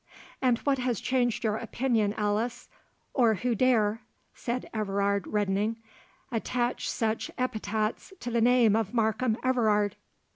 "And what has changed your opinion, Alice? or who dare," said Everard, reddening, "attach such epithets to the name of Markham Everard?"